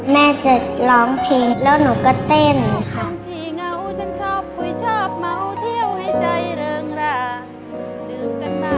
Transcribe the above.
แม่จะร้องเพลงแล้วหนูก็เต้นค่ะ